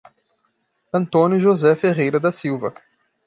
Antônio José Ferreira da Silva